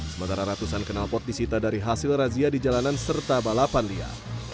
sementara ratusan kenal pot disita dari hasil razia di jalanan serta balapan lia